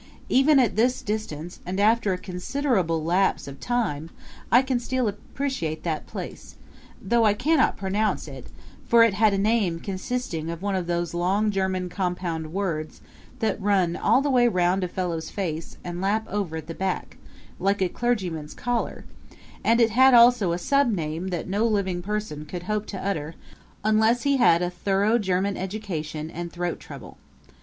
Even at this distance and after a considerable lapse of time I can still appreciate that place, though I cannot pronounce it; for it had a name consisting of one of those long German compound words that run all the way round a fellow's face and lap over at the back, like a clergyman's collar, and it had also a subname that no living person could hope to utter unless he had a thorough German education and throat trouble.